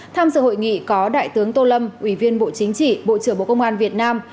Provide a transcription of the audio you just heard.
tham dự hội nghị có đại tướng tô lâm ủy viên bộ chính trị bộ trưởng bộ công an việt nam